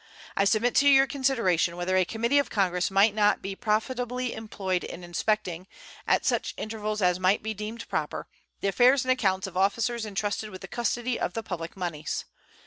I submit to your consideration whether a committee of Congress might not be profitably employed in inspecting, at such intervals as might be deemed proper, the affairs and accounts of officers intrusted with the custody of the public moneys.